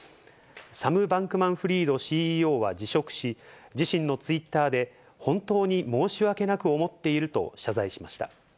サム・バンクマン・フリードＣＥＯは辞職し、自身のツイッターで、本当に申し訳なく思っていると謝罪しました。